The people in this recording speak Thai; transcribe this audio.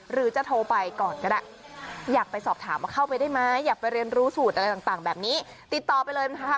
หรือจะโทรไปก่อนก็ได้อยากไปสอบถามว่าเข้าไปได้ไหมอยากไปเรียนรู้สูตรอะไรต่างแบบนี้ติดต่อไปเลยนะคะ